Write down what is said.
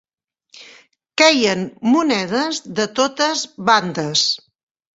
Queien monedes de totes bandes.